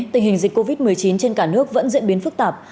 tình hình dịch covid một mươi chín trên cả nước vẫn diễn biến phức tạp